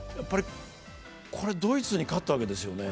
ドイツに勝ったわけですよね。